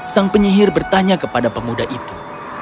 sang penyihir bertanya kepada pemuda itu